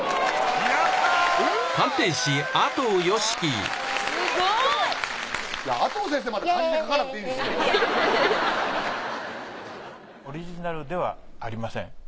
すごい！オリジナルではありません。